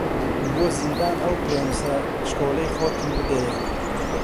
بۆ زیندان ئەو پرێمسە چکۆڵەی خۆتم بدەیە